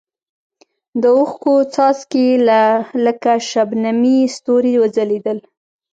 د اوښکو څاڅکي یې لکه شبنمي ستوري وځلېدل.